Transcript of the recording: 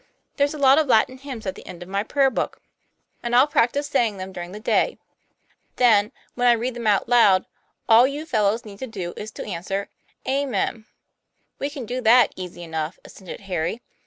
" There's a lot of Latin hymns at the encl of my prayer book, 7 6 TOM PLAYFAIR. and I'll practise saying them during the day. Then, when I read them out loud, all you fellows need do is to answer, ^ Amen. ' "We can do that easy enough," assented Harry.